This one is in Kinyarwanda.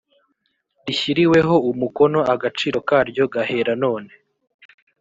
rishyiriweho umukono agaciro karyo gahera none.